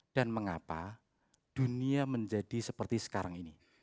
dan mengapa dunia menjadi seperti sekarang ini